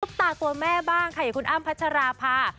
ตาตัวแม่บ้างค่ะอย่างคุณอ้ำพัชราภา